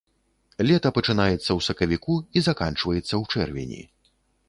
Лета пачынаецца ў сакавіку і заканчваецца ў чэрвені.